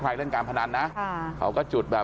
ความปลอดภัยของนายอภิรักษ์และครอบครัวด้วยซ้ำ